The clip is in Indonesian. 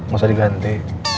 gak usah diganti